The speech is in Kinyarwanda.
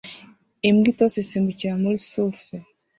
Imbwa itose isimbukira muri surf